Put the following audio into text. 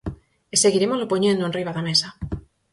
E seguirémolo poñendo enriba da mesa.